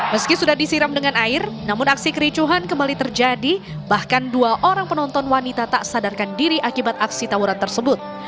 meski sudah disiram dengan air namun aksi kericuhan kembali terjadi bahkan dua orang penonton wanita tak sadarkan diri akibat aksi tawuran tersebut